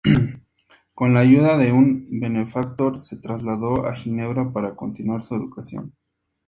Con la ayuda de un benefactor, se trasladó a Ginebra, para continuar su educación.